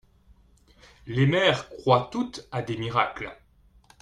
Les mères croient toutes à des miracles.